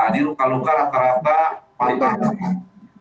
ini luka luka rata rata paling banyak